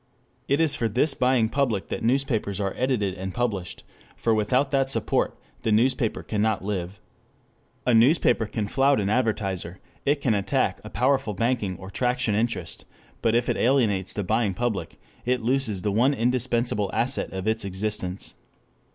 It is for this buying public that newspapers are edited and published, for without that support the newspaper cannot live. A newspaper can flout an advertiser, it can attack a powerful banking or traction interest, but if it alienates the buying public, it loses the one indispensable asset of its existence.